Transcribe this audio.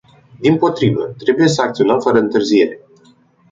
Dimpotrivă, trebuie să acționăm fără întârziere.